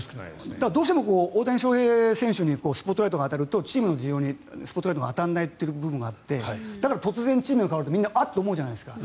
どうしても大谷翔平選手にスポットライトが当たるとチームの需要にスポットライトが当たらないという部分があって突然チームが変わると、みんなあっと思うじゃないですか。